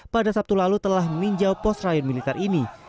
pada sabtu lalu telah meninjau post rayon militer ini